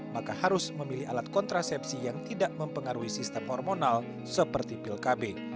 maka harus memilih alat kontrasepsi yang tidak mempengaruhi sistem hormonal seperti pil kb